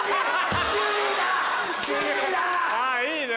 いいね。